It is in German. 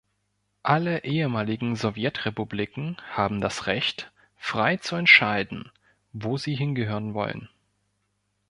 Alle ehemaligen Sowjetrepubliken haben das Recht, frei zu entscheiden, wo sie hingehören wollen.